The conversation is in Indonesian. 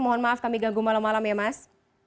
mohon maaf kami ganggu malam malam ya mas